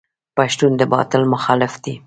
پښتون د باطل مخالف دی.